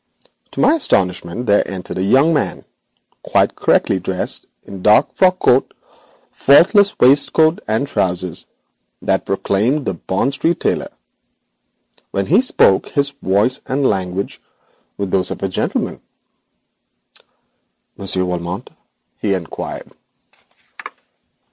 To my astonishment there entered a young man, quite correctly dressed in the dark frock coat, faultless waistcoat and trousers that proclaimed a Bond Street tailor. When he spoke his voice and language were those of a gentleman. 'Monsieur Valmont?' he inquired.